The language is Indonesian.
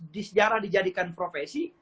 di sejarah dijadikan profesi